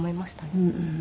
うん。